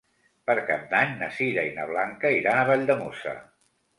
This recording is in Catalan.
Per Cap d'Any na Sira i na Blanca iran a Valldemossa.